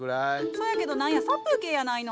そやけど何や殺風景やないの。